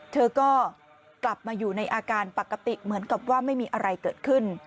เธอก็กลับมาอยู่ในอาการปกติเหมือนกับว่าไม่มีอะไรเกิดขึ้น